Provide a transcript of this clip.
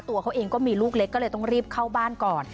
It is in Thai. ตัวเขาเองก็มีลูกเล็กก็เลยต้องรีบเข้าบ้านก่อน